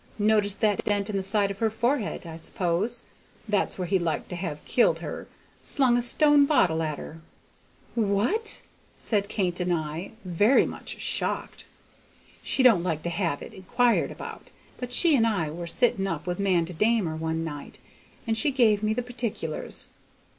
Noticed that dent in the side of her forehead, I s'pose? That's where he liked to have killed her; slung a stone bottle at her." "What!" said Kate and I, very much shocked. "She don't like to have it inquired about; but she and I were sitting up with 'Manda Damer one night, and she gave me the particulars.